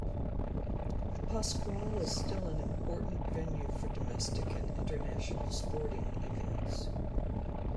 The Pascual is still an important venue for domestic and international sporting events.